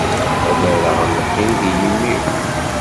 Ad rreɣ lqid i yimi-w.